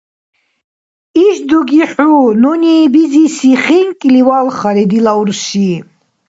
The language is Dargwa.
Ишдуги хӀу нуни бизиси хинкӀли валхари, дила урши.